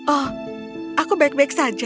oh aku baik baik saja